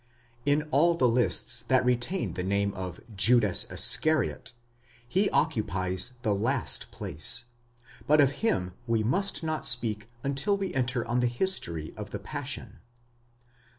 In all the lists that retain the name of Judas Iscariot, he occupies the last place, but of him we must not speak until we enter on the history of the Passion.